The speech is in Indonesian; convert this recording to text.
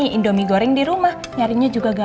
nih indomie goreng di rumah nyarinya juga gede